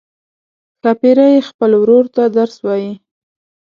ښاپیرۍ خپل ورور ته درس وايي.